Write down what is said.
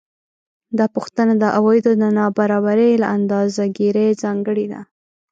دا پوښتنه د عوایدو د نابرابرۍ له اندازه ګیرۍ ځانګړې ده